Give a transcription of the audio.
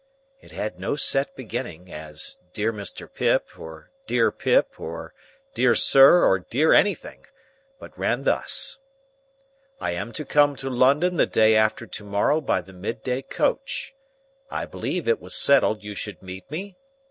It had no set beginning, as Dear Mr. Pip, or Dear Pip, or Dear Sir, or Dear Anything, but ran thus:— "I am to come to London the day after to morrow by the midday coach. I believe it was settled you should meet me?